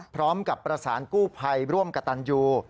พร้อมกับประสานกู้ภัยร่วมกับตันยู